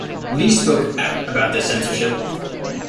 Li spoke out about this censorship.